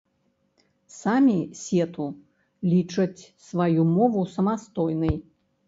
Самі сету лічаць сваю мову самастойнай.